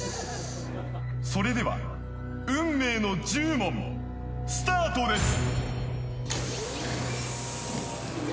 それでは運命の１０問スタートです。